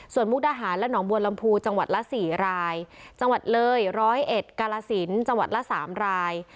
ส่วนมุกดาหารและหนองบัวลำพูจังหวัดละ๔รายจังหวัดเลย๑๐๑กาลสินจังหวัดละ๓ราย